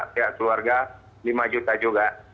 pihak keluarga lima juta juga